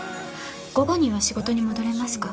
午後には仕事に戻れますか？